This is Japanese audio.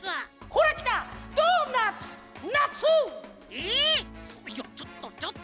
えいやちょっとちょっと。